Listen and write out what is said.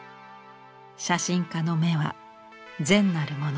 写真家の目は善なるもの